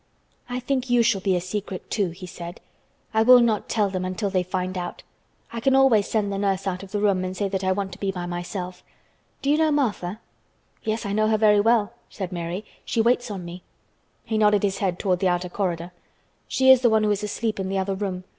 "I think you shall be a secret, too," he said. "I will not tell them until they find out. I can always send the nurse out of the room and say that I want to be by myself. Do you know Martha?" "Yes, I know her very well," said Mary. "She waits on me." He nodded his head toward the outer corridor. "She is the one who is asleep in the other room.